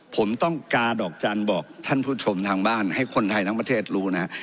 ผมต้องการดอกจันทร์บอกท่านผู้ชมทางบ้านให้คนไทยทั้งประเทศรู้นะฮะ